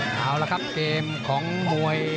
เอาละครับเกมของมวย